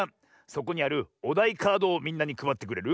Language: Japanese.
そこにあるおだいカードをみんなにくばってくれる？